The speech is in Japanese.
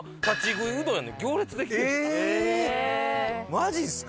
マジっすか？